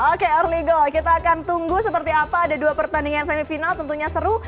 oke early go kita akan tunggu seperti apa ada dua pertandingan semifinal tentunya seru